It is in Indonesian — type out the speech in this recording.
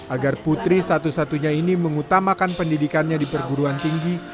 agar putri satu satunya ini mengutamakan pendidikannya di perguruan tinggi